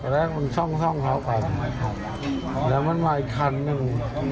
แรกมันช่องเขาก่อนแล้วมันมาอีกคันหนึ่ง